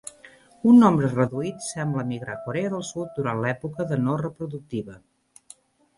Un nombre reduït sembla migrar a Corea del Sud durant l'època de no reproductiva.